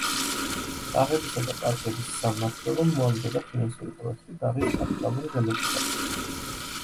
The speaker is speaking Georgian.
ბაღებისა და პარკების სამმართველომ მოამზადა ფინანსური პროექტი ბაღის კაპიტალური რემონტისათვის.